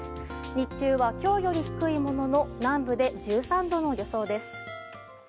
日中は今日より低いものの南部で１３度の予想です。